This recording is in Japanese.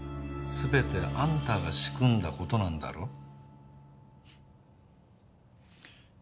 すべてアンタが仕組んだことなんだろ？